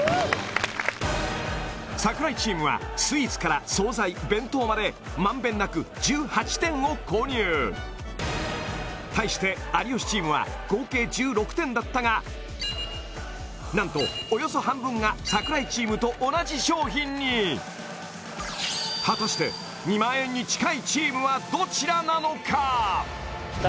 櫻井チームはスイーツから惣菜弁当までまんべんなく１８点を購入対して有吉チームは合計１６点だったが何とおよそ半分が櫻井チームと同じ商品に果たしてどちらなのか？